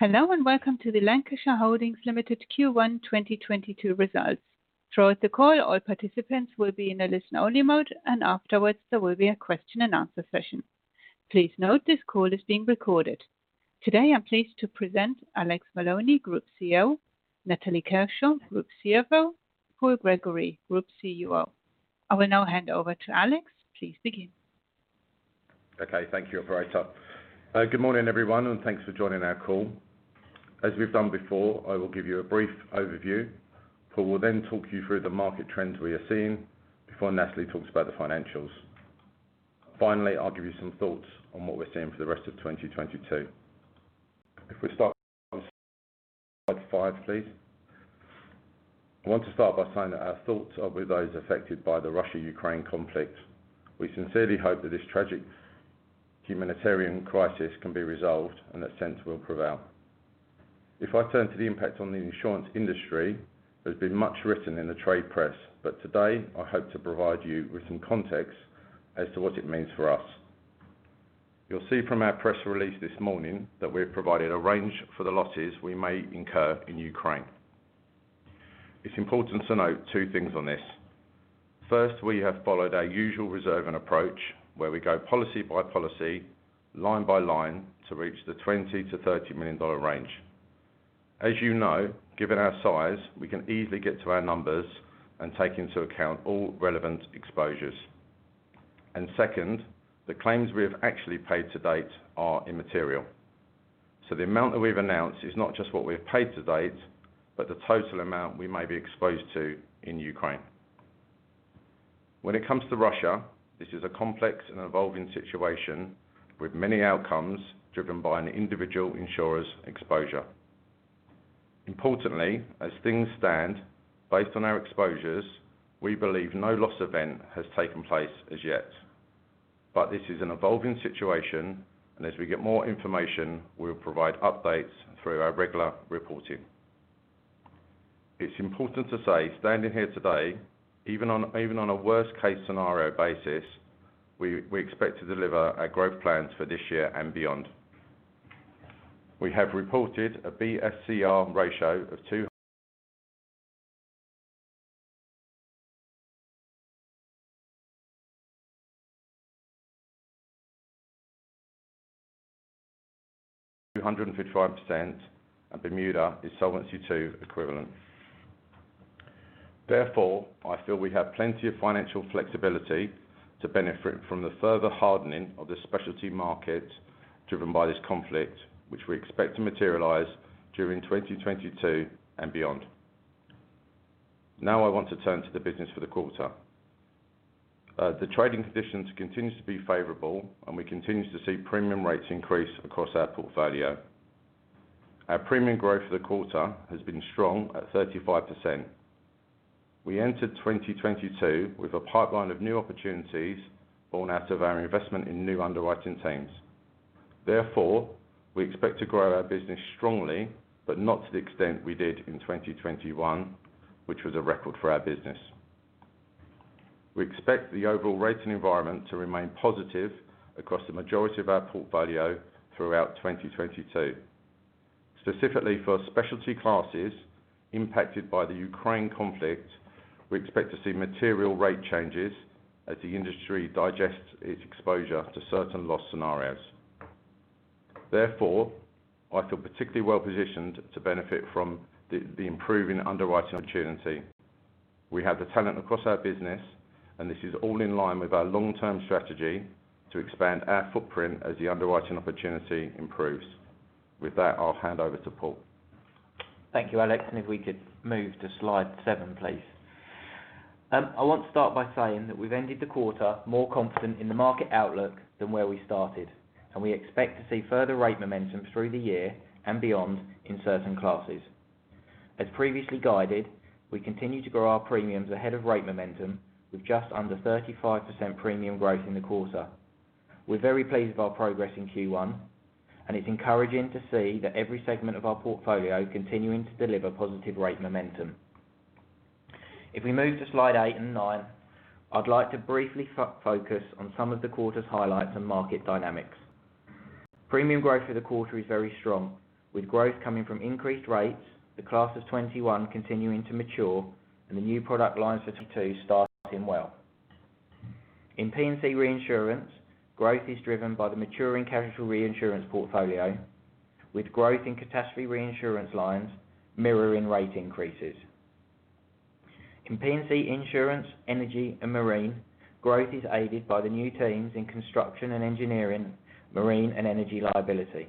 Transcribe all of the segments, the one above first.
Hello and welcome to the Lancashire Holdings Limited Q1 2022 results. Throughout the call, all participants will be in a listen-only mode, and afterwards there will be a question and answer session. Please note this call is being recorded. Today, I'm pleased to present Alex Maloney, Group CEO, Natalie Kershaw, Group CFO, Paul Gregory, Group Chief Underwriting Officer. I will now hand over to Alex. Please begin. Okay, thank you, operator. Good morning, everyone, and thanks for joining our call. As we've done before, I will give you a brief overview. Paul will then talk you through the market trends we are seeing before Natalie talks about the financials. Finally, I'll give you some thoughts on what we're seeing for the rest of 2022. If we start slide 5, please. I want to start by saying that our thoughts are with those affected by the Russia-Ukraine conflict. We sincerely hope that this tragic humanitarian crisis can be resolved and that sense will prevail. If I turn to the impact on the insurance industry, there's been much written in the trade press, but today I hope to provide you with some context as to what it means for us. You'll see from our press release this morning that we've provided a range for the losses we may incur in Ukraine. It's important to note two things on this. First, we have followed our usual reserving approach, where we go policy by policy, line by line to reach the $20-$30 million range. As you know, given our size, we can easily get to our numbers and take into account all relevant exposures. Second, the claims we have actually paid to date are immaterial. The amount that we've announced is not just what we've paid to date, but the total amount we may be exposed to in Ukraine. When it comes to Russia, this is a complex and evolving situation with many outcomes driven by an individual insurer's exposure. Importantly, as things stand, based on our exposures, we believe no loss event has taken place as yet. This is an evolving situation, and as we get more information, we'll provide updates through our regular reporting. It's important to say, standing here today, even on a worst-case scenario basis, we expect to deliver our growth plans for this year and beyond. We have reported a BSCR ratio of 255%, and Bermuda is Solvency II equivalent. Therefore, I feel we have plenty of financial flexibility to benefit from the further hardening of the specialty market driven by this conflict, which we expect to materialize during 2022 and beyond. Now, I want to turn to the business for the quarter. The trading conditions continue to be favorable, and we continue to see premium rates increase across our portfolio. Our premium growth for the quarter has been strong at 35%. We entered 2022 with a pipeline of new opportunities born out of our investment in new underwriting teams. Therefore, we expect to grow our business strongly, but not to the extent we did in 2021, which was a record for our business. We expect the overall rating environment to remain positive across the majority of our portfolio throughout 2022. Specifically for specialty classes impacted by the Ukraine conflict, we expect to see material rate changes as the industry digests its exposure to certain loss scenarios. Therefore, I feel particularly well positioned to benefit from the improving underwriting opportunity. We have the talent across our business, and this is all in line with our long-term strategy to expand our footprint as the underwriting opportunity improves. With that, I'll hand over to Paul. Thank you, Alex. If we could move to slide 7, please. I want to start by saying that we've ended the quarter more confident in the market outlook than where we started, and we expect to see further rate momentum through the year and beyond in certain classes. As previously guided, we continue to grow our premiums ahead of rate momentum with just under 35% premium growth in the quarter. We're very pleased with our progress in Q1, and it's encouraging to see that every segment of our portfolio continuing to deliver positive rate momentum. If we move to slide 8 and 9, I'd like to briefly focus on some of the quarter's highlights and market dynamics. Premium growth for the quarter is very strong, with growth coming from increased rates, the class of 2021 continuing to mature, and the new product lines for 2022 starting well. In P&C reinsurance, growth is driven by the maturing capital reinsurance portfolio, with growth in catastrophe reinsurance lines mirroring rate increases. In P&C insurance, energy and marine, growth is aided by the new teams in construction and engineering, marine and energy liability.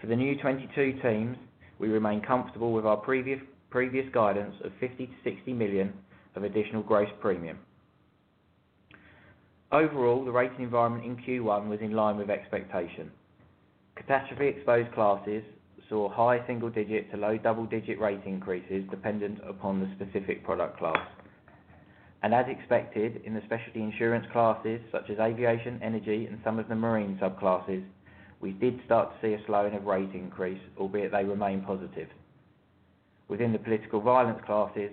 For the new 22 teams, we remain comfortable with our previous guidance of $50-$60 million of additional gross premium. Overall, the rating environment in Q1 was in line with expectation. Catastrophe exposed classes saw high single digit to low double-digit rate increases dependent upon the specific product class. As expected, in the specialty insurance classes such as aviation, energy, and some of the marine subclasses, we did start to see a slowdown in rate increases, albeit they remain positive. Within the political violence classes,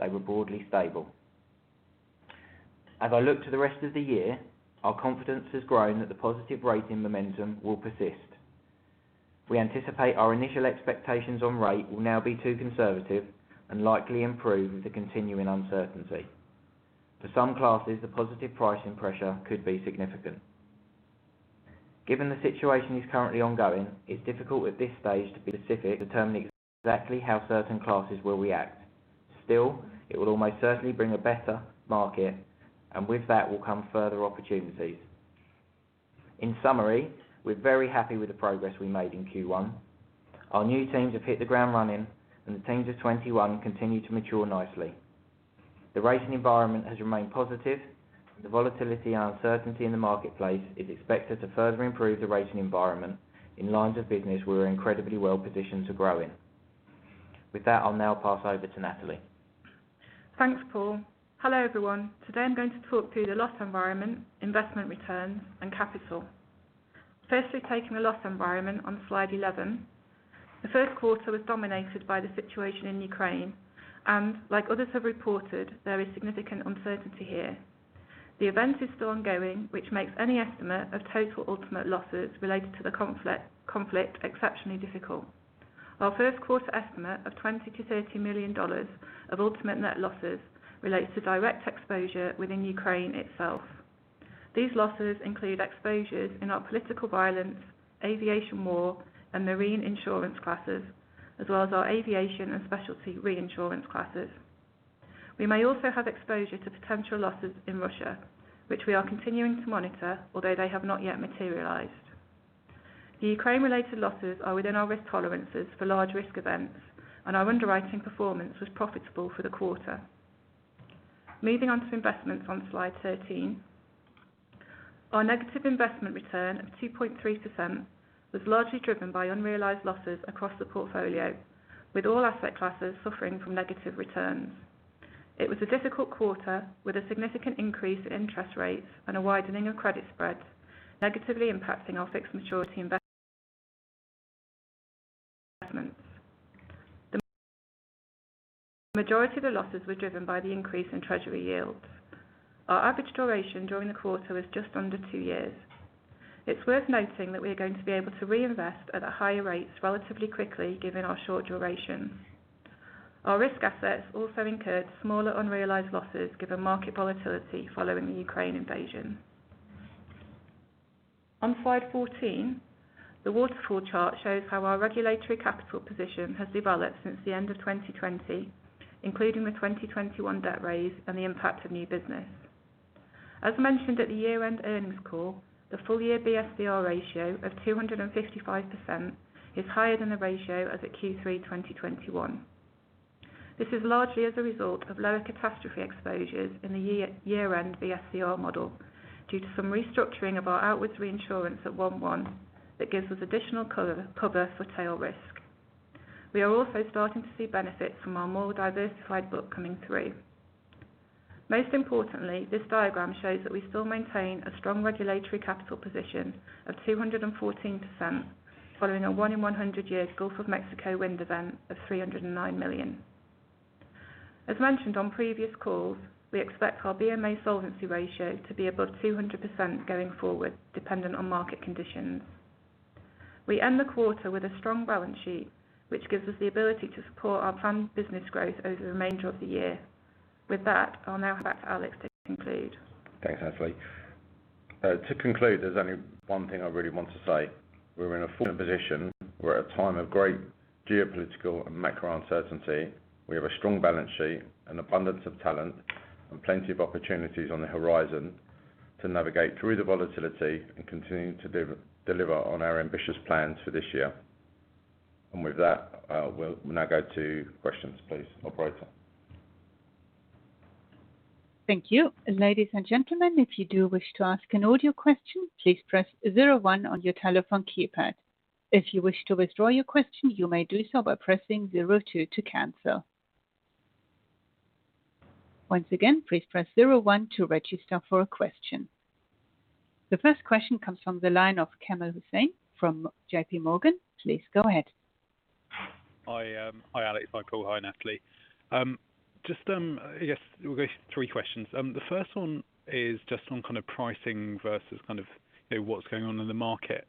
they were broadly stable. As I look to the rest of the year, our confidence has grown that the positive rating momentum will persist. We anticipate our initial expectations on rate will now be too conservative and likely improve with the continuing uncertainty. For some classes, the positive pricing pressure could be significant. Given the situation is currently ongoing, it's difficult at this stage to be specific determining exactly how certain classes will react. Still, it will almost certainly bring a better market, and with that will come further opportunities. In summary, we're very happy with the progress we made in Q1. Our new teams have hit the ground running, and the teams of 2021 continue to mature nicely. The rating environment has remained positive. The volatility and uncertainty in the marketplace is expected to further improve the rating environment in lines of business we're incredibly well positioned to grow in. With that, I'll now pass over to Natalie. Thanks, Paul. Hello, everyone. Today I'm going to talk through the loss environment, investment returns, and capital. Firstly, taking the loss environment on slide 11. The first quarter was dominated by the situation in Ukraine, and like others have reported, there is significant uncertainty here. The event is still ongoing, which makes any estimate of total ultimate losses related to the conflict exceptionally difficult. Our first quarter estimate of $20 million-$30 million of ultimate net losses relates to direct exposure within Ukraine itself. These losses include exposures in our political violence, aviation war, and marine insurance classes, as well as our aviation and specialty reinsurance classes. We may also have exposure to potential losses in Russia, which we are continuing to monitor, although they have not yet materialized. The Ukraine-related losses are within our risk tolerances for large risk events, and our underwriting performance was profitable for the quarter. Moving on to investments on slide 13. Our negative investment return of 2.3% was largely driven by unrealized losses across the portfolio, with all asset classes suffering from negative returns. It was a difficult quarter with a significant increase in interest rates and a widening of credit spreads, negatively impacting our fixed maturity investments. The majority of the losses were driven by the increase in treasury yields. Our average duration during the quarter was just under two years. It's worth noting that we are going to be able to reinvest at higher rates relatively quickly given our short duration. Our risk assets also incurred smaller unrealized losses given market volatility following the Ukraine invasion. On slide 14, the waterfall chart shows how our regulatory capital position has developed since the end of 2020, including the 2021 debt raise and the impact of new business. As mentioned at the year-end earnings call, the full year BSCR ratio of 255% is higher than the ratio as at Q3 2021. This is largely as a result of lower catastrophe exposures in the year year-end BSCR model due to some restructuring of our outwards reinsurance at 1/1 that gives us additional cover for tail risk. We are also starting to see benefits from our more diversified book coming through. Most importantly, this diagram shows that we still maintain a strong regulatory capital position of 214% following a 1 in 100 year Gulf of Mexico wind event of $309 million. As mentioned on previous calls, we expect our BMA solvency ratio to be above 200% going forward, dependent on market conditions. We end the quarter with a strong balance sheet, which gives us the ability to support our planned business growth over the remainder of the year. With that, I'll now hand back to Alex to conclude. Thanks, Natalie. To conclude, there's only one thing I really want to say. We're in a fortunate position. We're at a time of great geopolitical and macro uncertainty. We have a strong balance sheet, an abundance of talent, and plenty of opportunities on the horizon to navigate through the volatility and continue to deliver on our ambitious plans for this year. With that, we'll now go to questions, please, operator. Thank you. Ladies and gentlemen, if you do wish to ask an audio question, please press zero one on your telephone keypad. If you wish to withdraw your question, you may do so by pressing zero two to cancel. Once again, please press zero one to register for a question. The first question comes from the line of Kamran Hossain from JP Morgan. Please go ahead. Hi. Hi, Alex. Hi, Paul. Hi, Natalie. Just, I guess we'll go three questions. The first one is just on kind of pricing versus kind of, you know, what's going on in the market.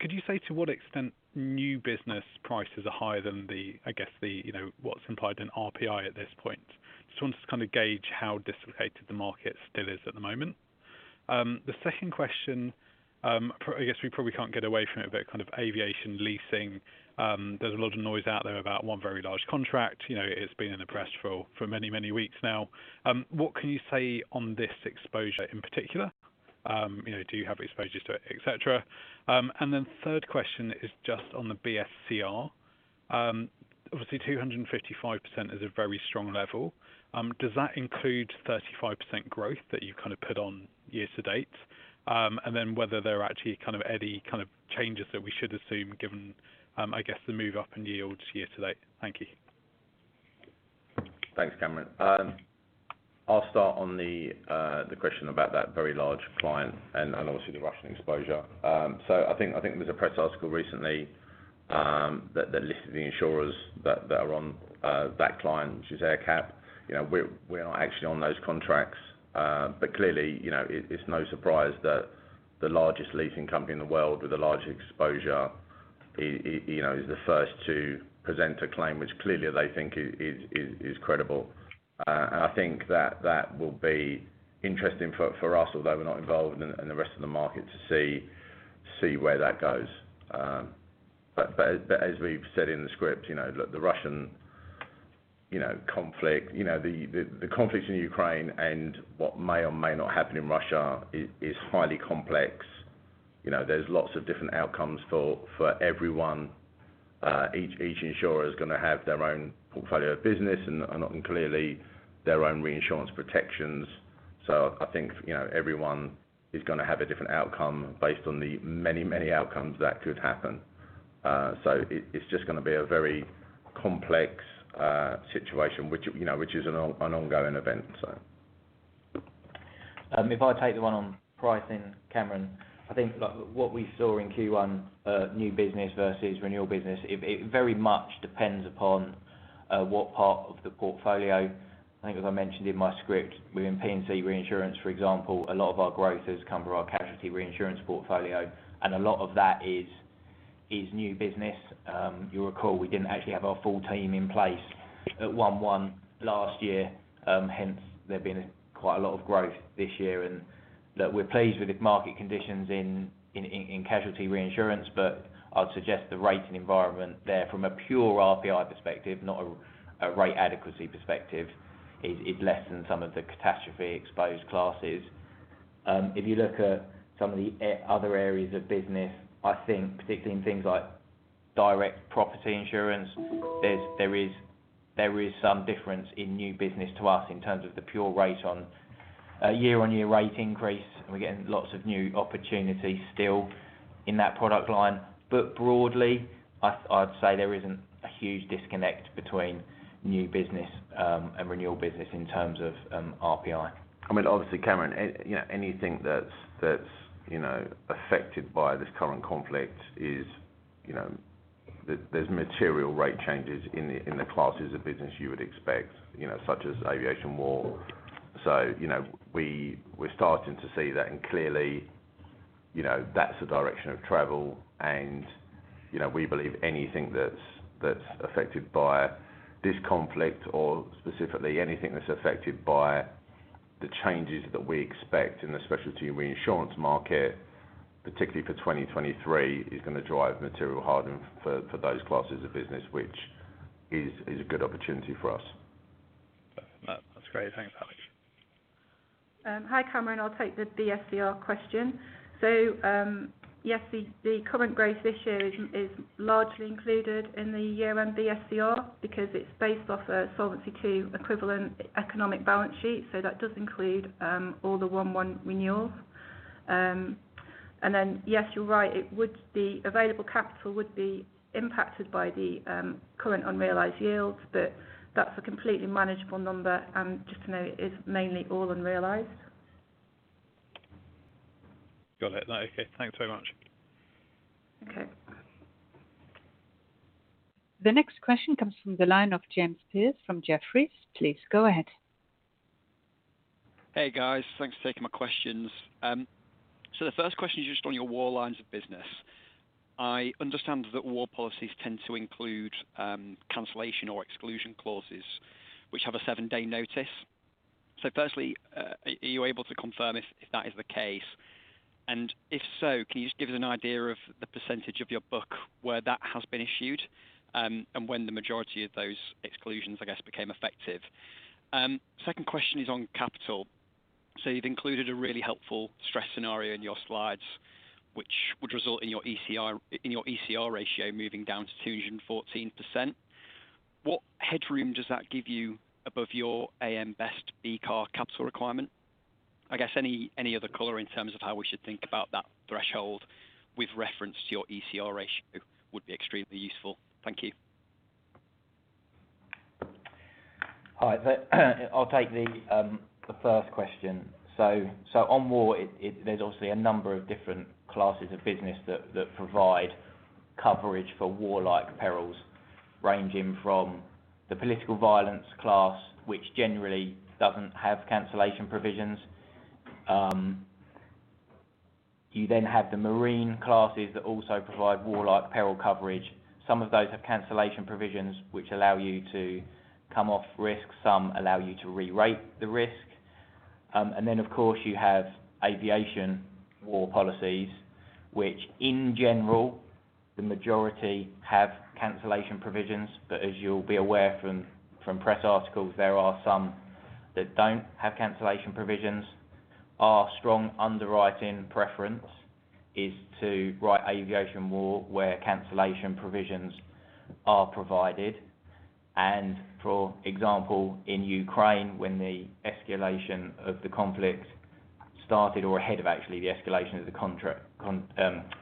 Could you say to what extent new business prices are higher than the, I guess the, you know, what's implied in RPI at this point? Just want to kind of gauge how dislocated the market still is at the moment. The second question, I guess we probably can't get away from it, but kind of aviation leasing. There's a lot of noise out there about one very large contract. You know, it's been in the press for many, many weeks now. What can you say on this exposure in particular? You know, do you have exposures to it, et cetera? Third question is just on the BSCR. Obviously 255% is a very strong level. Does that include 35% growth that you kind of put on year to date? Whether there are actually kind of any kind of changes that we should assume given, I guess the move up in yields year to date. Thank you. Thanks, Kamran. I'll start on the question about that very large client and obviously the Russian exposure. I think there's a press article recently. That list of the insurers that are on that client, which is AerCap. You know, we're not actually on those contracts. Clearly, you know, it's no surprise that the largest leasing company in the world with the largest exposure you know, is the first to present a claim, which clearly they think is credible. I think that will be interesting for us, although we're not involved, and the rest of the market to see where that goes. As we've said in the script, you know, look, the Russian conflict, the conflict in Ukraine and what may or may not happen in Russia is highly complex. You know, there's lots of different outcomes for everyone. Each insurer is gonna have their own portfolio of business and clearly their own reinsurance protections. I think, you know, everyone is gonna have a different outcome based on the many outcomes that could happen. It's just gonna be a very complex situation which, you know, which is an ongoing event, so. If I take the one on pricing, Kamran, I think like what we saw in Q1, new business versus renewal business, it very much depends upon what part of the portfolio. I think as I mentioned in my script, within P&C reinsurance, for example, a lot of our growth has come from our casualty reinsurance portfolio, and a lot of that is new business. You'll recall we didn't actually have our full team in place at January 1 last year, hence there's been quite a lot of growth this year. Look, we're pleased with the market conditions in casualty reinsurance, but I'd suggest the rating environment there from a pure RPI perspective, not a rate adequacy perspective is less than some of the catastrophe exposed classes. If you look at some of the other areas of business, I think particularly in things like direct property insurance, there is some difference in new business to us in terms of the pure rate on a year-on-year rate increase, and we're getting lots of new opportunities still in that product line. Broadly, I'd say there isn't a huge disconnect between new business and renewal business in terms of RPI. I mean, obviously, Kamran, you know, anything that's affected by this current conflict is, you know, there's material rate changes in the classes of business you would expect, you know, such as aviation war. You know, we're starting to see that and clearly, you know, that's the direction of travel. You know, we believe anything that's affected by this conflict or specifically anything that's affected by the changes that we expect in the specialty reinsurance market, particularly for 2023, is gonna drive material hardening for those classes of business, which is a good opportunity for us. That's great. Thanks, Alex. Hi, Kamran Hossain. I'll take the BSCR question. Yes, the current growth this year is largely included in the year-end BSCR because it's based off a Solvency II equivalent economic balance sheet. That does include all the one-one renewals. Then, yes, you're right, it would be available capital would be impacted by the current unrealized yields, but that's a completely manageable number. Just to note, it's mainly all unrealized. Got it. No. Okay. Thanks very much. Okay. The next question comes from the line of James Pearse from Jefferies. Please go ahead. Hey, guys. Thanks for taking my questions. The first question is just on your war lines of business. I understand that war policies tend to include cancellation or exclusion clauses which have a seven-day notice. Firstly, are you able to confirm if that is the case? And if so, can you just give us an idea of the percentage of your book where that has been issued, and when the majority of those exclusions, I guess, became effective? Second question is on capital. You've included a really helpful stress scenario in your slides, which would result in your ECR ratio moving down to 214%. What headroom does that give you above your AM Best BCAR capital requirement? I guess any other color in terms of how we should think about that threshold with reference to your ECR ratio would be extremely useful. Thank you. Hi. I'll take the first question. On war, there's obviously a number of different classes of business that provide coverage for war-like perils, ranging from the political violence class, which generally doesn't have cancellation provisions. You have the marine classes that also provide war-like peril coverage. Some of those have cancellation provisions which allow you to come off risk. Some allow you to re-rate the risk. Of course, you have aviation war policies, which in general, the majority have cancellation provisions. As you'll be aware from press articles, there are some that don't have cancellation provisions. Our strong underwriting preference is to write aviation war where cancellation provisions are provided. For example, in Ukraine, when the escalation of the conflict started or ahead of actually the escalation of the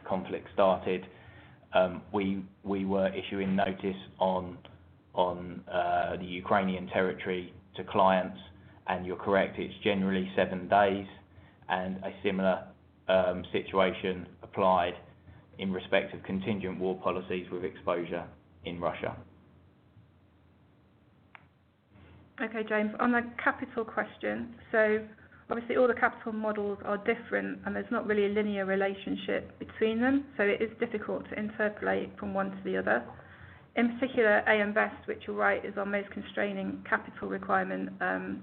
conflict started, we were issuing notice on the Ukrainian territory to clients. You're correct, it's generally seven days. A similar situation applied in respect of contingent war policies with exposure in Russia. Okay, James, on the capital question. Obviously all the capital models are different, and there's not really a linear relationship between them, so it is difficult to interpolate from one to the other. In particular, AM Best, which you're right, is our most constraining capital requirement,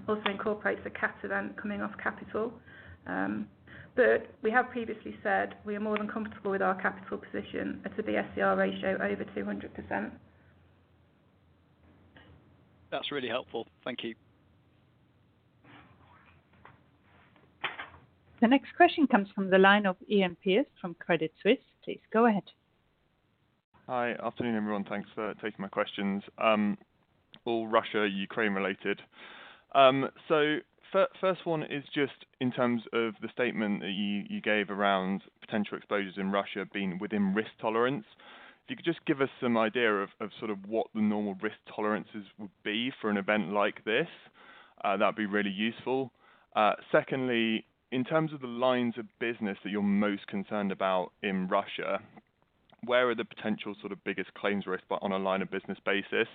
also incorporates a cat event coming off capital. We have previously said we are more than comfortable with our capital position at a BSCR ratio over 200%. That's really helpful. Thank you. The next question comes from the line of Ivan Bokhmat from Barclays. Please go ahead. Hi. Afternoon, everyone. Thanks for taking my questions. All Russia-Ukraine related. So first one is just in terms of the statement that you gave around potential exposures in Russia being within risk tolerance. If you could just give us some idea of sort of what the normal risk tolerances would be for an event like this, that'd be really useful. Secondly, in terms of the lines of business that you're most concerned about in Russia, where are the potential sort of biggest claims risk, but on a line of business basis?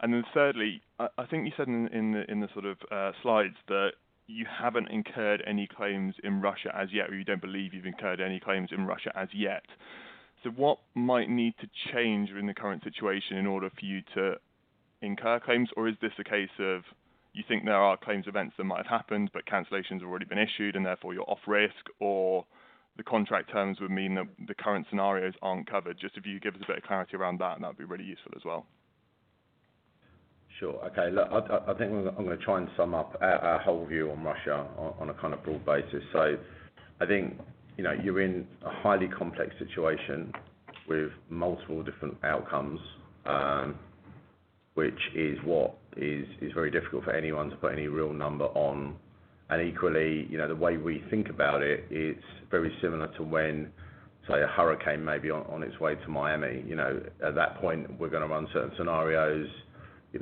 And then thirdly, I think you said in the sort of slides that you haven't incurred any claims in Russia as yet, or you don't believe you've incurred any claims in Russia as yet. What might need to change in the current situation in order for you to incur claims? Or is this a case of you think there are claims events that might have happened, but cancellations have already been issued, and therefore you're off risk? Or the contract terms would mean that the current scenarios aren't covered. Just if you could give us a bit of clarity around that, and that'd be really useful as well. Sure. Okay. Look, I think I'm gonna try and sum up our whole view on Russia on a kind of broad basis. I think, you know, you're in a highly complex situation with multiple different outcomes, which is what is very difficult for anyone to put any real number on. Equally, you know, the way we think about it is very similar to when, say, a hurricane may be on its way to Miami. You know, at that point, we're gonna run certain scenarios, you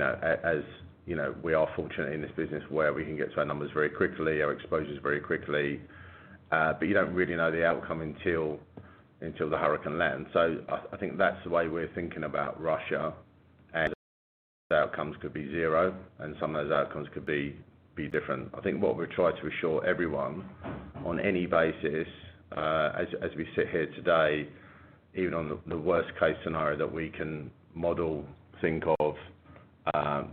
know, we are fortunate in this business where we can get to our numbers very quickly, our exposures very quickly. You don't really know the outcome until the hurricane lands. I think that's the way we're thinking about Russia, and outcomes could be zero, and some of those outcomes could be different. I think what we try to assure everyone on any basis, as we sit here today, even on the worst case scenario that we can model, think of,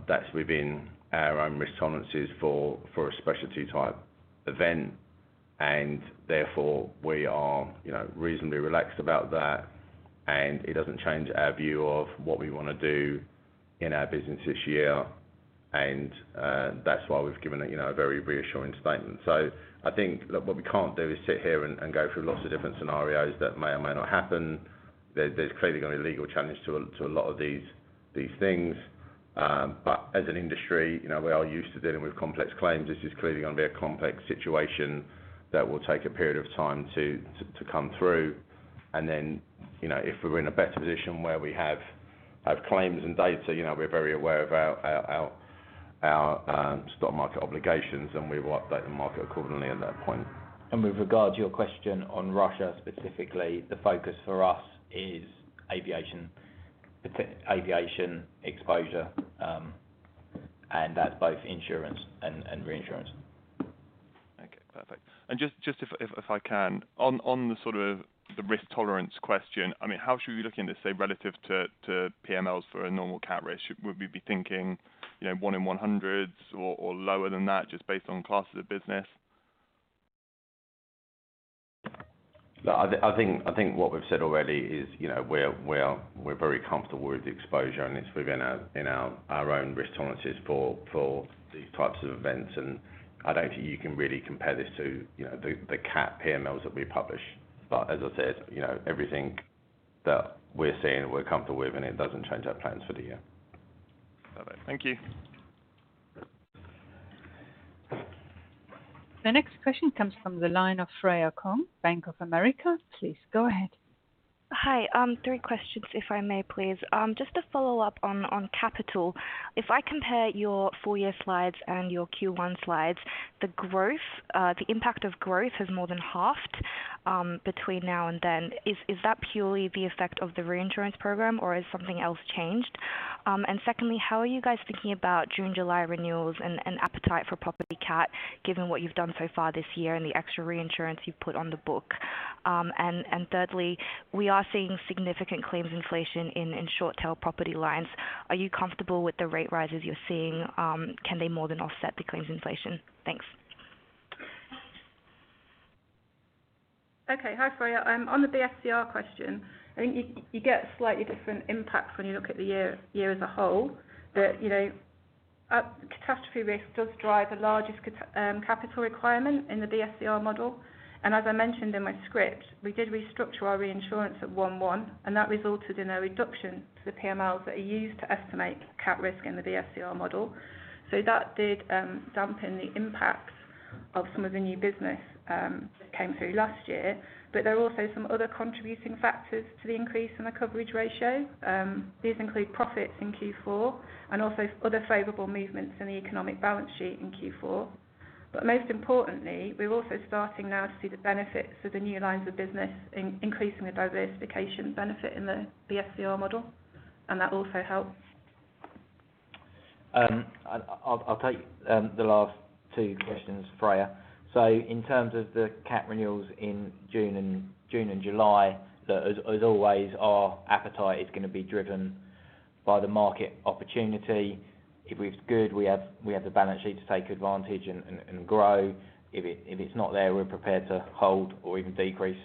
that's within our own risk tolerances for a specialty type event. Therefore, we are, you know, reasonably relaxed about that, and it doesn't change our view of what we wanna do in our business this year. That's why we've given a, you know, very reassuring statement. I think that what we can't do is sit here and go through lots of different scenarios that may or may not happen. There's clearly gonna be legal challenge to a lot of these things. As an industry, you know, we are used to dealing with complex claims. This is clearly gonna be a complex situation that will take a period of time to come through. You know, if we're in a better position where we have claims and data, you know, we're very aware of our stock market obligations, and we will update the market accordingly at that point. With regard to your question on Russia specifically, the focus for us is aviation exposure, and that's both insurance and reinsurance. Okay. Perfect. Just if I can, on the sort of risk tolerance question, I mean, how should we be looking to say relative to PMLs for a normal cat risk? Would we be thinking, you know, 1 in 100s or lower than that, just based on classes of business? Look, I think what we've said already is, you know, we're very comfortable with the exposure, and it's within our own risk tolerances for these types of events. I don't think you can really compare this to, you know, the cat PMLs that we publish. As I said, you know, everything that we're seeing, we're comfortable with, and it doesn't change our plans for the year. Perfect. Thank you. The next question comes from the line of Freya Kong, Bank of America. Please go ahead. Hi. Three questions if I may, please. Just to follow up on capital. If I compare your full year slides and your Q1 slides, the growth, the impact of growth has more than halved between now and then. Is that purely the effect of the reinsurance program, or has something else changed? And secondly, how are you guys thinking about June, July renewals and appetite for property CAT, given what you've done so far this year and the extra reinsurance you've put on the book? And thirdly, we are seeing significant claims inflation in short tail property lines. Are you comfortable with the rate rises you're seeing? Can they more than offset the claims inflation? Thanks. Okay. Hi, Freya. On the BSCR question, I think you get slightly different impacts when you look at the year as a whole. You know, catastrophe risk does drive the largest capital requirement in the BSCR model. As I mentioned in my script, we did restructure our reinsurance at 1/1, and that resulted in a reduction to the PMLs that are used to estimate cat risk in the BSCR model. That did dampen the impact of some of the new business came through last year, but there are also some other contributing factors to the increase in the coverage ratio. These include profits in Q4 and also other favorable movements in the economic balance sheet in Q4. Most importantly, we're also starting now to see the benefits of the new lines of business increasing the diversification benefit in the BSCR model, and that also helps. I'll take the last two questions, Freya. In terms of the cat renewals in June and July, as always, our appetite is gonna be driven by the market opportunity. If it's good, we have the balance sheet to take advantage and grow. If it's not there, we're prepared to hold or even decrease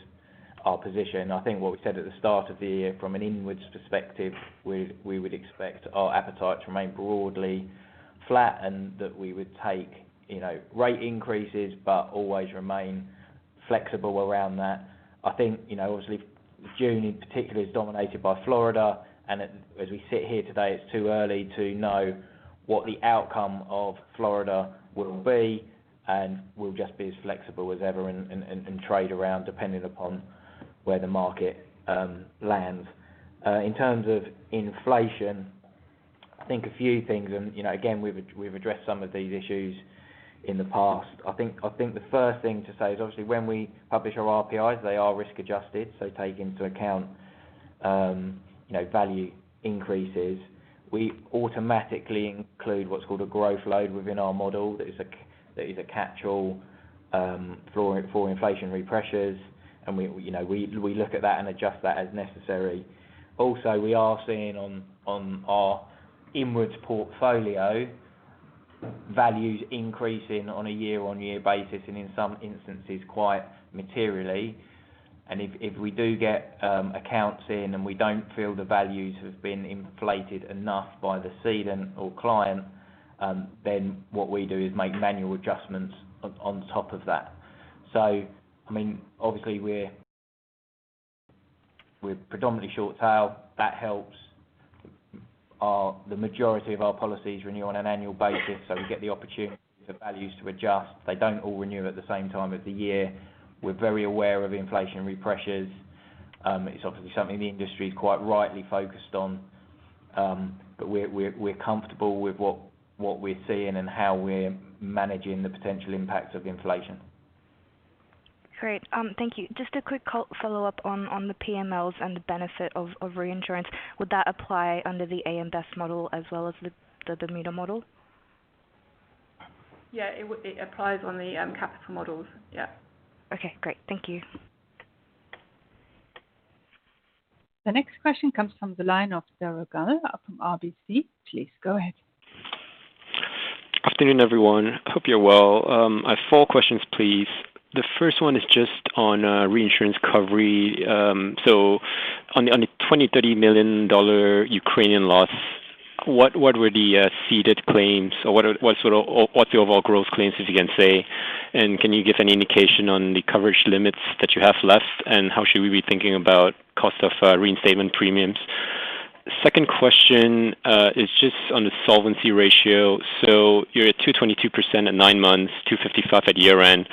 our position. I think what we said at the start of the year, from an inwards perspective, we would expect our appetite to remain broadly flat and that we would take, you know, rate increases but always remain flexible around that. I think, you know, obviously June in particular is dominated by Florida and as we sit here today, it's too early to know what the outcome of Florida will be, and we'll just be as flexible as ever and trade around depending upon where the market lands. In terms of inflation, I think a few things and, you know, again, we've addressed some of these issues in the past. I think the first thing to say is, obviously, when we publish our RPIs, they are risk adjusted, so take into account, you know, value increases. We automatically include what's called a growth load within our model. There is a catchall for inflationary pressures. We, you know, look at that and adjust that as necessary. Also, we are seeing on our inwards portfolio values increasing on a year-on-year basis, and in some instances, quite materially. If we do get accounts in and we don't feel the values have been inflated enough by the cedent or client, then what we do is make manual adjustments on top of that. I mean, obviously we're predominantly short tail. That helps. The majority of our policies renew on an annual basis, so we get the opportunity for values to adjust. They don't all renew at the same time of the year. We're very aware of inflationary pressures. It's obviously something the industry is quite rightly focused on. But we're comfortable with what we're seeing and how we're managing the potential impacts of inflation. Great. Thank you. Just a quick follow up on the PMLs and the benefit of reinsurance. Would that apply under the AM Best model as well as the Bermuda model? Yeah. It applies on the capital models. Yeah. Okay, great. Thank you. The next question comes from the line of Darrell Galle from RBC. Please go ahead. Afternoon, everyone. Hope you're well. I have four questions, please. The first one is just on reinsurance recovery. On the $20-$30 million Ukrainian loss, what were the ceded claims or what's the overall gross claims, if you can say? And can you give any indication on the coverage limits that you have left, and how should we be thinking about cost of reinstatement premiums? Second question is just on the solvency ratio. You're at 222% at nine months, 255% at year end.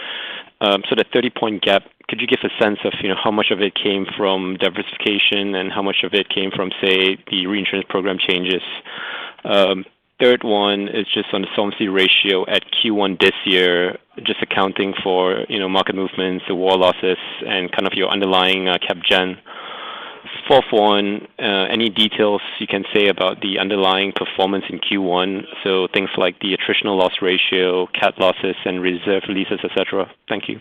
The 30-point gap, could you give a sense of, you know, how much of it came from diversification and how much of it came from, say, the reinsurance program changes? Third one is just on the solvency ratio at Q1 this year, just accounting for, you know, market movements, the war losses and kind of your underlying Cap Gen. Fourth one, any details you can say about the underlying performance in Q1. Things like the attritional loss ratio, cat losses and reserve releases, et cetera. Thank you.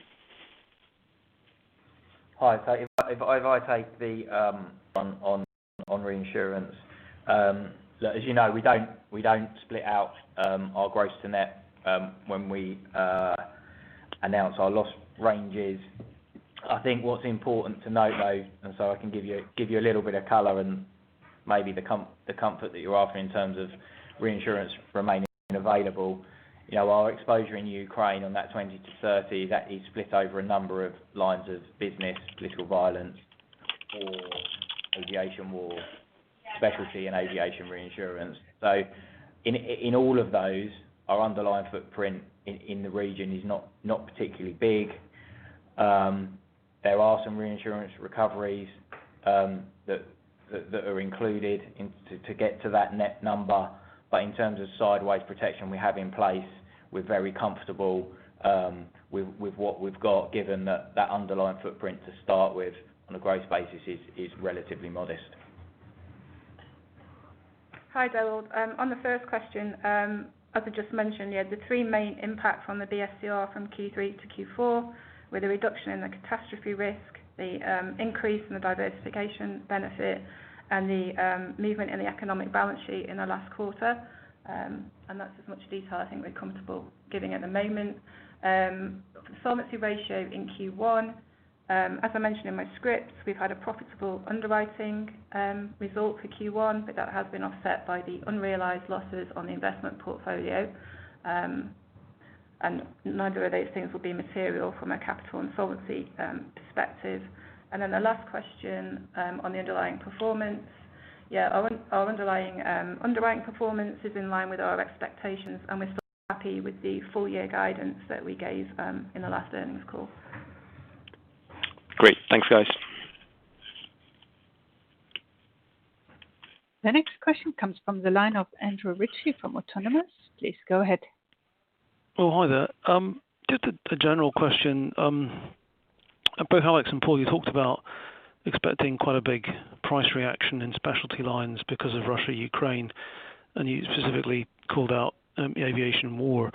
Hi. If I take the one on reinsurance. As you know, we don't split out our gross to net when we announce our loss ranges. I think what's important to note though, I can give you a little bit of color and maybe the comfort that you're after in terms of reinsurance remaining available. You know, our exposure in Ukraine on that $20 million-$30 million, that is split over a number of lines of business, political violence or aviation war, specialty and aviation reinsurance. In all of those, our underlying footprint in the region is not particularly big. There are some reinsurance recoveries that are included, to get to that net number. In terms of sideways protection we have in place, we're very comfortable with what we've got given that underlying footprint to start with on a growth basis is relatively modest. Hi, Darrell. On the first question, as I just mentioned, yeah, the three main impact from the BSCR from Q3 to Q4, with a reduction in the catastrophe risk, the increase in the diversification benefit and the movement in the economic balance sheet in the last quarter. That's as much detail I think we're comfortable giving at the moment. Solvency ratio in Q1, as I mentioned in my script, we've had a profitable underwriting result for Q1, but that has been offset by the unrealized losses on the investment portfolio. Neither of those things will be material from a capital and solvency perspective. Then the last question, on the underlying performance. Yeah, our underlying underwriting performance is in line with our expectations, and we're still happy with the full year guidance that we gave in the last earnings call. Great. Thanks, guys. The next question comes from the line of Andrew Ritchie from Autonomous Research. Please go ahead. Oh, hi there. Just a general question. Both Alex and Paul, you talked about expecting quite a big price reaction in specialty lines because of Russia, Ukraine, and you specifically called out the aviation war.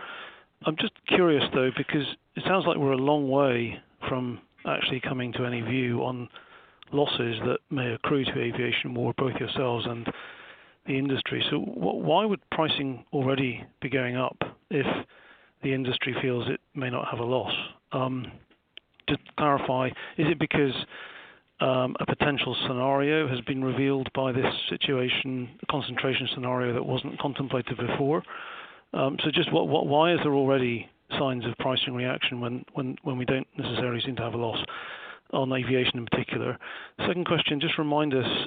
I'm just curious though, because it sounds like we're a long way from actually coming to any view on losses that may accrue to aviation war, both yourselves and the industry. Why would pricing already be going up if the industry feels it may not have a loss? Just clarify, is it because a potential scenario has been revealed by this situation, concentration scenario that wasn't contemplated before? So just what why is there already signs of pricing reaction when we don't necessarily seem to have a loss on aviation in particular? Second question, just remind us,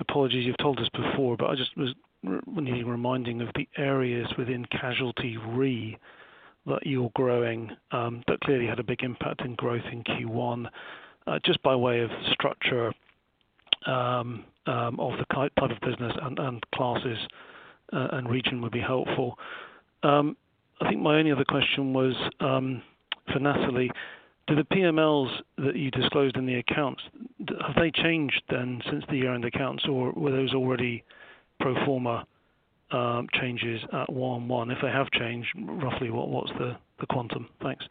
apologies you've told us before, but I just was needing reminding of the areas within casualty re that you're growing, that clearly had a big impact in growth in Q1, just by way of structure, of the key part of business and classes, and region would be helpful. I think my only other question was for Natalie. Do the PMLs that you disclosed in the accounts have they changed then since the year-end accounts, or were those already pro forma changes at 1/1? If they have changed, roughly what's the quantum? Thanks.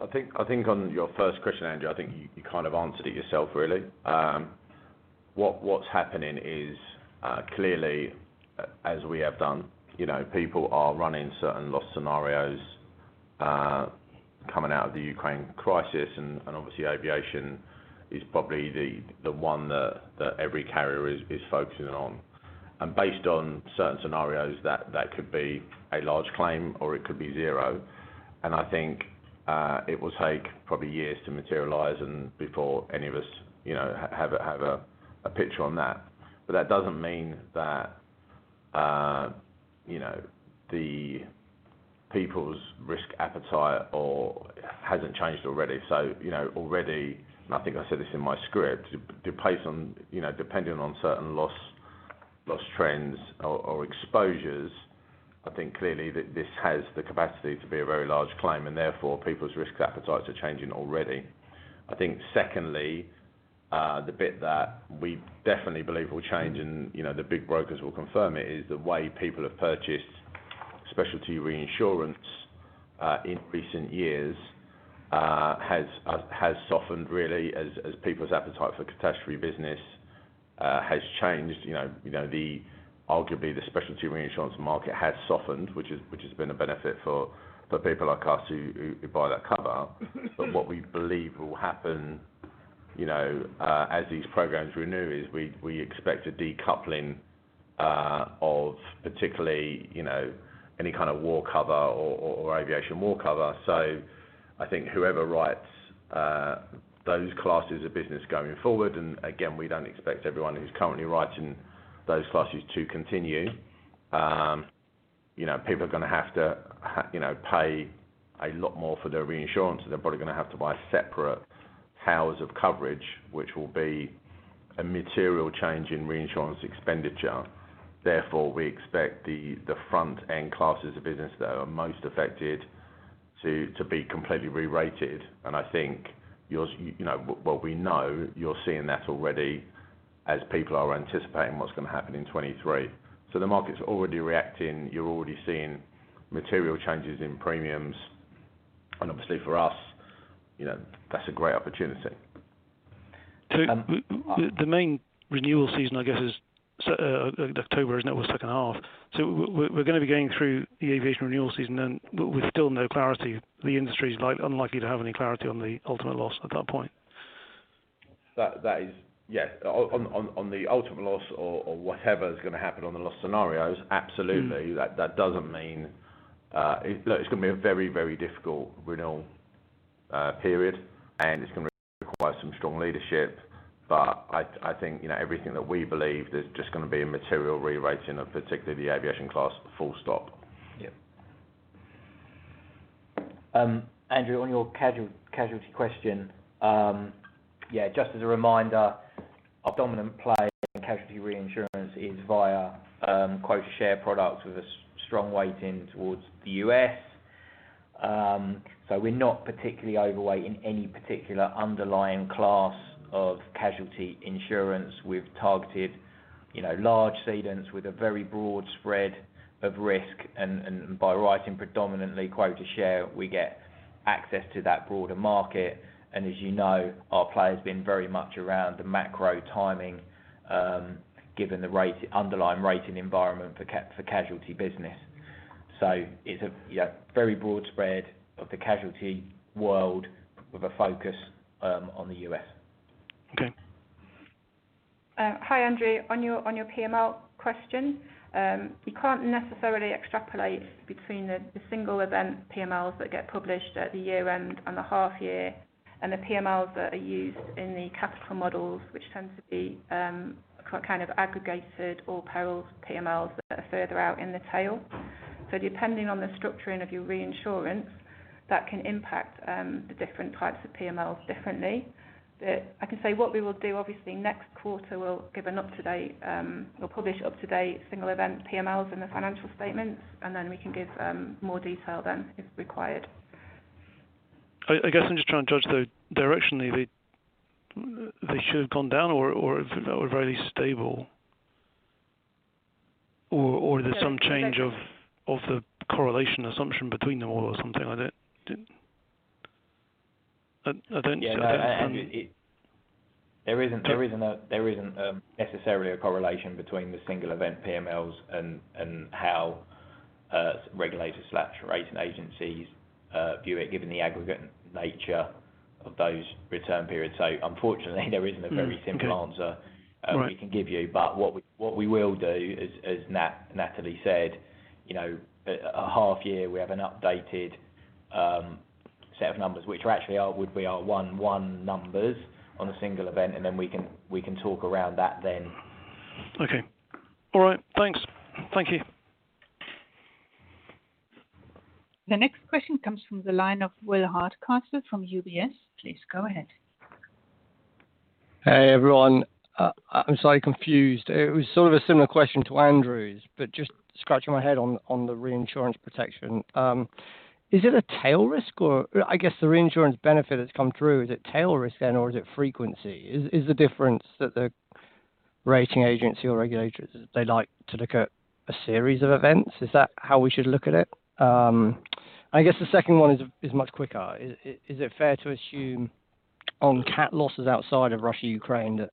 I think on your first question, Andrew, I think you kind of answered it yourself really. What's happening is, clearly as we have done, you know, people are running certain loss scenarios coming out of the Ukraine crisis and obviously aviation is probably the one that every carrier is focusing on. Based on certain scenarios that could be a large claim or it could be zero. I think it will take probably years to materialize and before any of us, you know, have a picture on that. That doesn't mean that, you know, the people's risk appetite hasn't changed already. You know, already, I think I said this in my script, depends on, you know, depending on certain loss trends or exposures, I think clearly this has the capacity to be a very large claim and therefore people's risk appetites are changing already. I think secondly, the bit that we definitely believe will change, and you know, the big brokers will confirm it, is the way people have purchased specialty reinsurance in recent years has softened really as people's appetite for catastrophe business has changed. You know, arguably the specialty reinsurance market has softened, which has been a benefit for people like us who buy that cover. What we believe will happen, you know, as these programs renew is we expect a decoupling of particularly, you know, any kind of war cover or aviation war cover. I think whoever writes those classes of business going forward, and again, we don't expect everyone who's currently writing those classes to continue. You know, people are gonna have to pay a lot more for their reinsurance. They're probably gonna have to buy separate towers of coverage, which will be a material change in reinsurance expenditure. Therefore, we expect the front end classes of business that are most affected to be completely rerated. I think yours, you know, well we know you're seeing that already as people are anticipating what's gonna happen in 2023. The market's already reacting. You're already seeing material changes in premiums. Obviously for us, you know, that's a great opportunity. The main renewal season, I guess, is October, isn't it, or second half? We're gonna be going through the aviation renewal season and with still no clarity. The industry's unlikely to have any clarity on the ultimate loss at that point. That is. Yeah. On the ultimate loss or whatever is gonna happen on the loss scenarios, absolutely. That doesn't mean, look, it's gonna be a very difficult renewal period, and it's gonna require some strong leadership. I think, you know, everything that we believe, there's just gonna be a material rerating of particularly the aviation class, full stop. Yep. Andrew, on your casualty question, yeah, just as a reminder, our dominant play in casualty reinsurance is via quota share products with a strong weighting toward the US. We are not particularly overweight in any particular underlying class of casualty insurance. We've targeted, you know, large cedents with a very broad spread of risk. By writing predominantly quota share, we get access to that broader market. As you know, our play has been very much around the macro timing, given the rate underlying rating environment for casualty business. It's a very broad spread of the casualty world with a focus on the US. Okay. Hi, Andrew. On your PML question, you can't necessarily extrapolate between the single event PMLs that get published at the year-end and the half year, and the PMLs that are used in the capital models, which tend to be kind of aggregated or peril PMLs that are further out in the tail. Depending on the structuring of your reinsurance, that can impact the different types of PMLs differently. I can say what we will do, obviously, next quarter. We'll publish up-to-date single event PMLs in the financial statements, and then we can give more detail then if required. I guess I'm just trying to judge the direction they should have gone down or if they were very stable. There's some change of- Yeah, exactly. of the correlation assumption between them all or something like that. I don't know. There isn't necessarily a correlation between the single event PMLs and how regulators slash rating agencies view it given the aggregate nature of those return periods. Unfortunately, there isn't a very simple answer. Okay. We can give you. What we will do as Natalie said, you know, at half year, we have an updated set of numbers, which are actually what would be our 1-in-1 numbers on a single event, and then we can talk around that then. Okay. All right. Thanks. Thank you. The next question comes from the line of Will Hardcastle from UBS. Please go ahead. Hey, everyone. I'm slightly confused. It was sort of a similar question to Andrew's, but just scratching my head on the reinsurance protection. Is it a tail risk or I guess the reinsurance benefit that's come through, is it tail risk then or is it frequency? Is the difference that the rating agency or regulators, they like to look at a series of events? Is that how we should look at it? I guess the second one is much quicker. Is it fair to assume on cat losses outside of Russia-Ukraine that,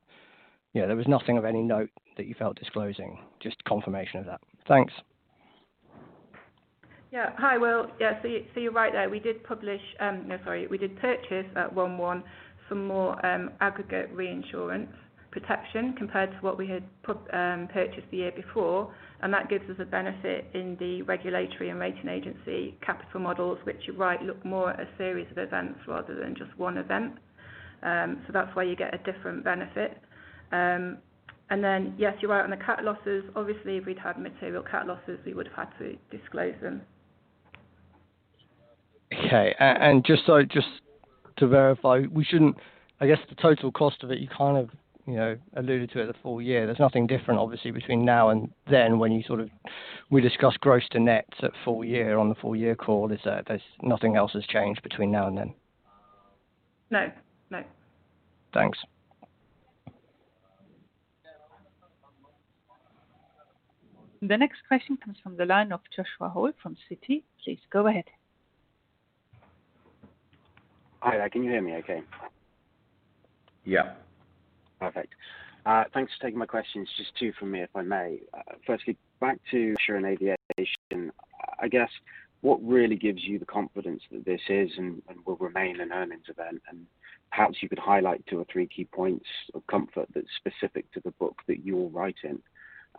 you know, there was nothing of any note that you felt disclosing, just confirmation of that? Thanks. Yeah. Hi, Will. Yeah. You're right there. We did purchase at 1:1 some more aggregate reinsurance protection compared to what we had purchased the year before, and that gives us a benefit in the regulatory and rating agency capital models, which, you're right, look more at a series of events rather than just one event. That's why you get a different benefit. Then, yes, you're right on the cat losses. Obviously, if we'd had material cat losses, we would have had to disclose them. Okay. Just so, just to verify, we shouldn't I guess the total cost of it, you kind of, you know, alluded to it the full year. There's nothing different obviously between now and then. We discussed gross to net at full year on the full year call. Is that there's nothing else has changed between now and then? No. No. Thanks. The next question comes from the line of Joshua Hole from Citi. Please go ahead. Hi there. Can you hear me okay? Yeah. Perfect. Thanks for taking my questions. Just two from me, if I may. Firstly, back to aviation insurance, I guess, what really gives you the confidence that this is and will remain an earnings event? Perhaps you could highlight two or three key points of comfort that's specific to the book that you're writing.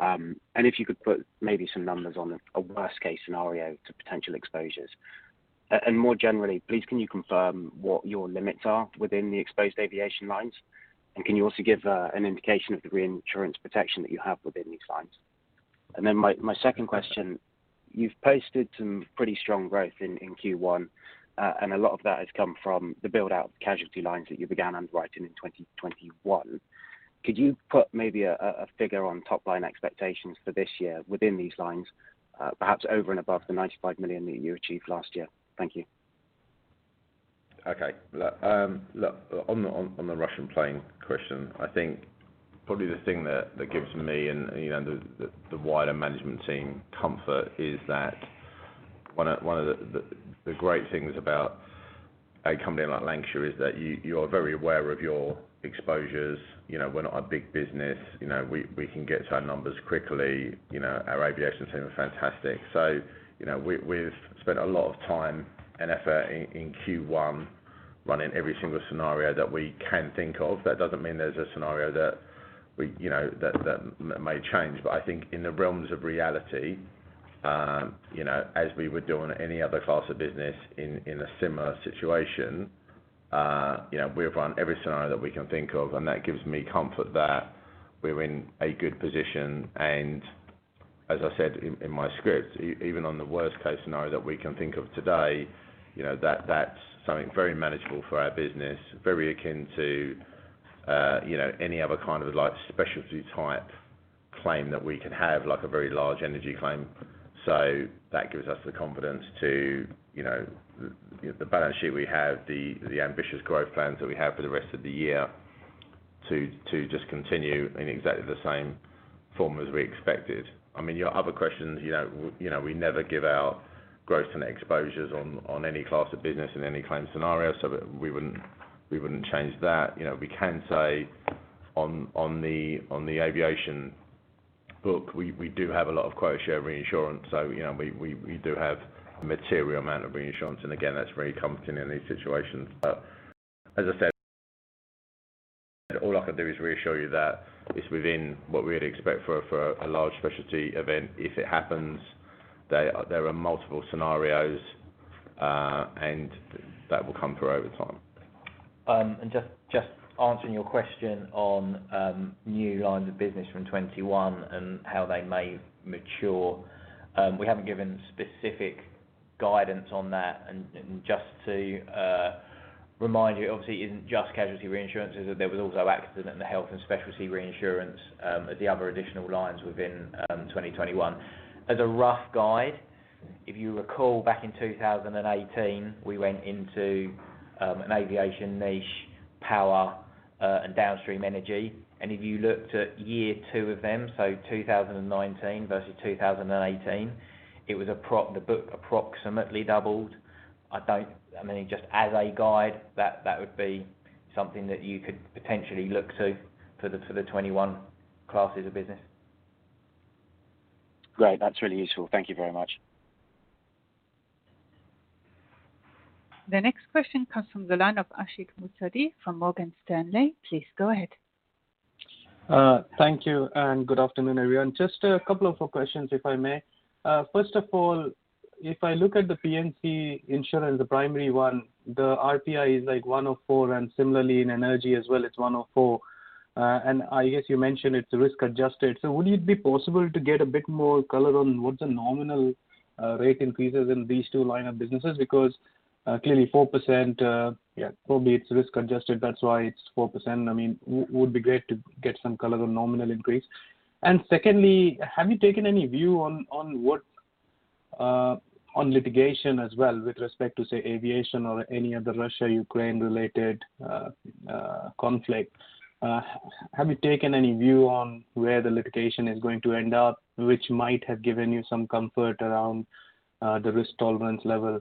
And if you could put maybe some numbers on a worst case scenario to potential exposures. And more generally, please can you confirm what your limits are within the exposed aviation lines? And can you also give an indication of the reinsurance protection that you have within these lines? Then my second question, you've posted some pretty strong growth in Q1, and a lot of that has come from the build out casualty lines that you began underwriting in 2021. Could you put maybe a figure on top line expectations for this year within these lines, perhaps over and above the $95 million that you achieved last year? Thank you. Okay. Look, on the Russian plane question, I think probably the thing that gives me and you know, the wider management team comfort is that one of the great things about a company like Lancashire is that you're very aware of your exposures. You know, we're not a big business. You know, we can get to our numbers quickly. You know, our aviation team are fantastic. So, you know, we've spent a lot of time and effort in Q1 running every single scenario that we can think of. That doesn't mean there's a scenario that we you know, that may change. I think in the realms of reality, you know, as we would do on any other class of business in a similar situation, you know, we have run every scenario that we can think of, and that gives me comfort that we're in a good position. As I said in my script, even on the worst case scenario that we can think of today, you know, that's something very manageable for our business, very akin to, you know, any other kind of like specialty type claim that we can have, like a very large energy claim. That gives us the confidence to, you know, the balance sheet we have, the ambitious growth plans that we have for the rest of the year to just continue in exactly the same form as we expected. I mean, your other questions, you know, you know, we never give out gross and exposures on any class of business in any claim scenario, so that we wouldn't change that. You know, we can say on the aviation book, we do have a lot of quota share reinsurance, so you know, we do have material amount of reinsurance. Again, that's very comforting in these situations. As I said all I can do is reassure you that it's within what we'd expect for a large specialty event. If it happens, there are multiple scenarios, and that will come through over time. Just answering your question on new lines of business from 2021 and how they may mature. We haven't given specific guidance on that. Just to remind you, obviously it isn't just casualty reinsurance, in that there was also accident and health and specialty reinsurance, the other additional lines within 2021. As a rough guide, if you recall back in 2018, we went into an aviation niche, power, and downstream energy. If you looked at year two of them, so 2019 versus 2018, it was the book approximately doubled. I mean, just as a guide, that would be something that you could potentially look to for the 2021 classes of business. Great. That's really useful. Thank you very much. The next question comes from the line of Akshay Kaushal from Morgan Stanley. Please go ahead. Thank you, and good afternoon, everyone. Just a couple of questions, if I may. First of all, if I look at the P&C insurance, the primary one, the RPI is like 104, and similarly in energy as well, it's 104. I guess you mentioned it's risk adjusted. Would it be possible to get a bit more color on what the nominal rate increases in these two lines of business? Because clearly 4%, yeah, probably it's risk adjusted, that's why it's 4%. I mean, would be great to get some color on nominal increase. Secondly, have you taken any view on litigation as well with respect to, say, aviation or any other Russia-Ukraine related conflict? Have you taken any view on where the litigation is going to end up, which might have given you some comfort around the risk tolerance level?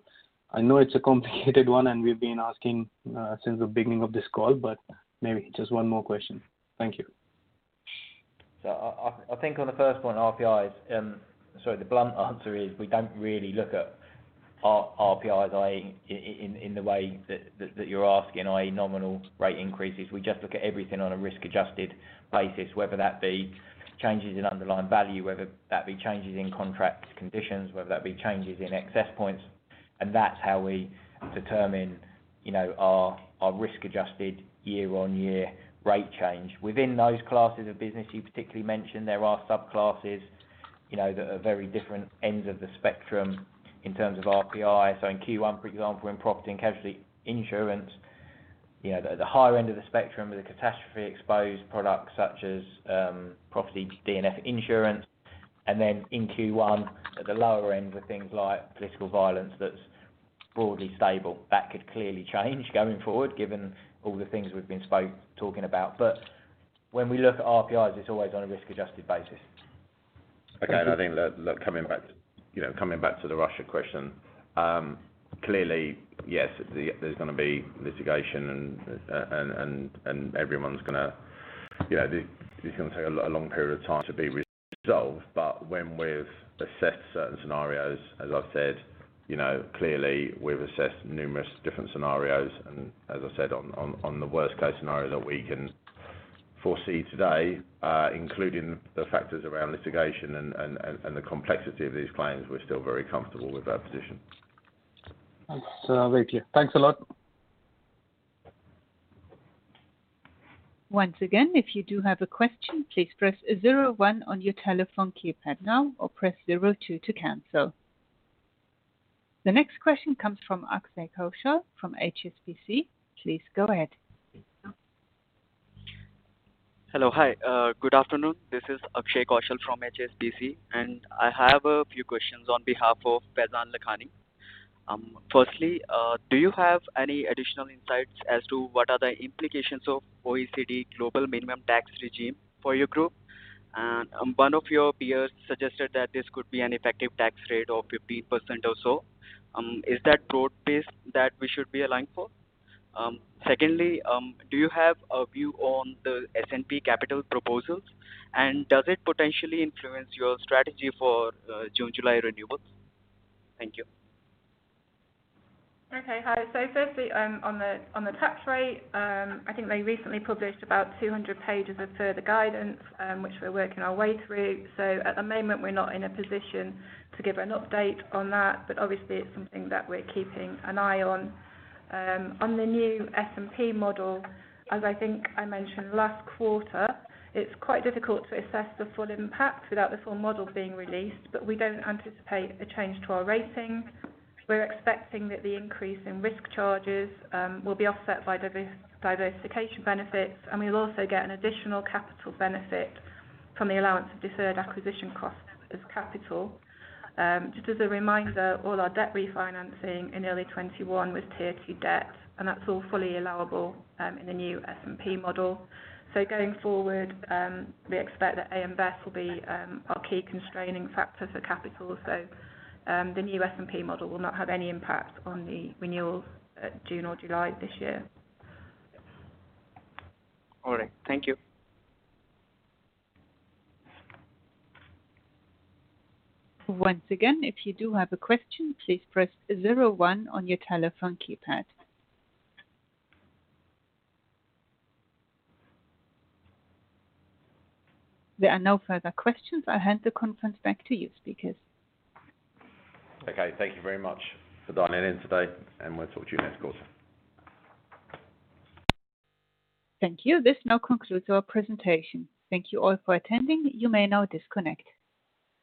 I know it's a complicated one, and we've been asking since the beginning of this call, but maybe just one more question. Thank you. I think on the first one, RPIs, the blunt answer is we don't really look at RPIs, i.e., in the way that you're asking, i.e., nominal rate increases. We just look at everything on a risk-adjusted basis, whether that be changes in underlying value, whether that be changes in contract conditions, whether that be changes in excess points. And that's how we determine, you know, our risk-adjusted year-on-year rate change. Within those classes of business you particularly mentioned, there are subclasses, you know, that are very different ends of the spectrum in terms of RPI. In Q1, for example, in property and casualty insurance, you know, the higher end of the spectrum are the catastrophe exposed products such as property D&F insurance. In Q one at the lower end were things like political violence that's broadly stable. That could clearly change going forward, given all the things we've been talking about. When we look at RPIs, it's always on a risk adjusted basis. Okay. I think that coming back, you know, coming back to the Russia question, clearly yes, there's gonna be litigation and everyone's gonna, you know, this is gonna take a long period of time to be resolved. When we've assessed certain scenarios, as I've said, you know, clearly we've assessed numerous different scenarios. As I said, on the worst case scenario that we can foresee today, including the factors around litigation and the complexity of these claims, we're still very comfortable with our position. That's very clear. Thanks a lot. Once again, if you do have a question, please press zero one on your telephone keypad now or press zero two to cancel. The next question comes from Akshay Kaushal from HSBC. Please go ahead. Hello. Hi. Good afternoon. This is Akshay Kaushal from HSBC, and I have a few questions on behalf of Faizan Lakhani. Firstly, do you have any additional insights as to what are the implications of OECD global minimum tax regime for your group? One of your peers suggested that this could be an effective tax rate of 15% or so. Is that broad base that we should be aligning for? Secondly, do you have a view on the S&P capital proposals? Does it potentially influence your strategy for June, July renewals? Thank you. Okay. Hi. Firstly, on the tax rate, I think they recently published about 200 pages of further guidance, which we're working our way through. At the moment we're not in a position to give an update on that. Obviously it's something that we're keeping an eye on. On the new S&P model, as I think I mentioned last quarter, it's quite difficult to assess the full impact without the full model being released. We don't anticipate a change to our rating. We're expecting that the increase in risk charges will be offset by diversification benefits, and we'll also get an additional capital benefit from the allowance of deferred acquisition costs as capital. Just as a reminder, all our debt refinancing in early 2021 was Tier 2 debt, and that's all fully allowable in the new S&P model. Going forward, we expect that AM Best will be our key constraining factor for capital. The new S&P model will not have any impact on the renewals at June or July this year. All right. Thank you. Once again, if you do have a question, please press zero one on your telephone keypad. There are no further questions. I'll hand the conference back to you speakers. Okay. Thank you very much for dialing in today, and we'll talk to you next quarter. Thank you. This now concludes our presentation. Thank you all for attending. You may now disconnect.